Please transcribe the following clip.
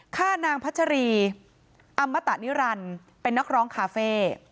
ฆ่านางพัชรีอำมตะนิรันดิ์เป็นนักร้องคาเฟ่